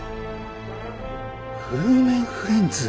フルーメンフレンズ。